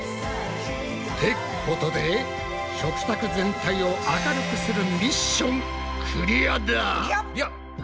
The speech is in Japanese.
ってことで食卓全体を明るくするミッションクリアだ！